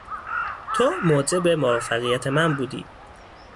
تو موجب موفقیت من بودی.